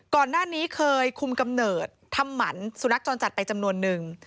ก่อนหน้านี้เคยคุมกำเนิดทำหมันสุนัขจรจัดไปจำนวนนึง